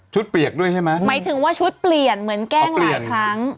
เปียกด้วยใช่ไหมหมายถึงว่าชุดเปลี่ยนเหมือนแกล้งหลายครั้ง